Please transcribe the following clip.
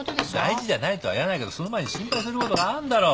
大事じゃないとは言わないけどその前に心配することがあんだろ。